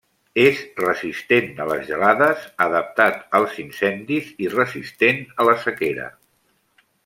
És resistent a les gelades, adaptat als incendis i resistent a la sequera.